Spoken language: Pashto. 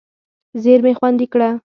زېرمې خوندي کړه.